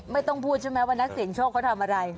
ไม่ต้องพูดใช่ไหมว่านักเสียงโชคเขาทำอะไร